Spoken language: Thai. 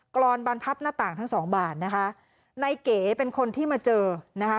รอนบรรพับหน้าต่างทั้งสองบาทนะคะนายเก๋เป็นคนที่มาเจอนะคะ